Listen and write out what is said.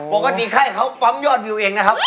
ปกติไข้เขาปั๊มยอดวิวเองนะครับ